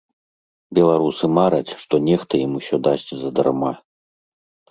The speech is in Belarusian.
Беларусы мараць, што нехта ім усё дасць задарма.